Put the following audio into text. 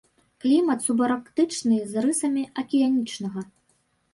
Клімат субарктычны, з рысамі акіянічнага.